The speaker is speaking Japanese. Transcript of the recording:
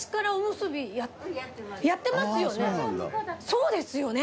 そうですよね！